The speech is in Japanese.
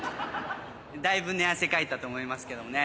だいぶ寝汗かいたと思いますけどもね。